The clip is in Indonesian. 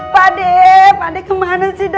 pade pade kemana sih